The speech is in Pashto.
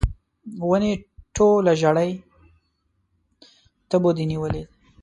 ونې ټوله ژړۍ تبو دي نیولې